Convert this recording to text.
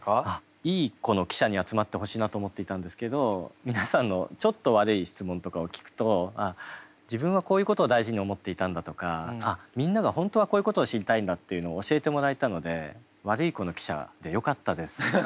いい子の記者に集まってほしいなと思っていたんですけど皆さんのちょっと悪い質問とかを聞くと自分はこういうことを大事に思っていたんだとかあっみんなが本当はこういうことを知りたいんだっていうのを教えてもらえたので悪い子の記者でよかったです。